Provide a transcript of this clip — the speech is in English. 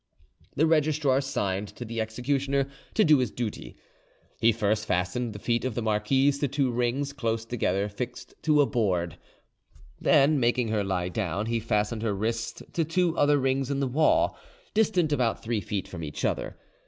The registrar signed to the executioner to do his duty. He first fastened the feet of the marquise to two rings close together fixed to a board; then making her lie down, he fastened her wrists to two other rings in the wall, distant about three feet from each other.